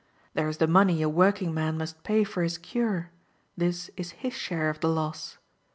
There is the money a working man must pay for his cure: this is his share of the loss.